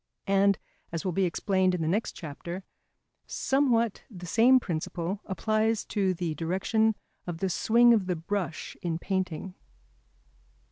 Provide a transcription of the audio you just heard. And, as will be explained in the next chapter, somewhat the same principle applies to the direction of the swing of the brush in painting.